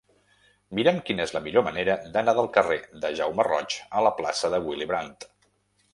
Mira'm quina és la millor manera d'anar del carrer de Jaume Roig a la plaça de Willy Brandt.